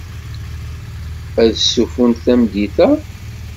Ad stufunt tameddit-a?